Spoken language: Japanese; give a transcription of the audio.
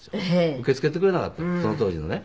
受け付けてくれなかったその当時のね。